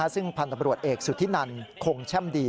ซึ่งพันธบรวจเอกสุธินันคงแช่มดี